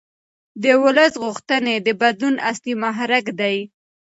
د ولس غوښتنې د بدلون اصلي محرک دي